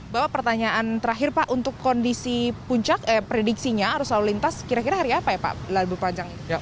bahwa pertanyaan terakhir pak untuk kondisi puncak prediksinya arus lalu lintas kira kira hari apa ya pak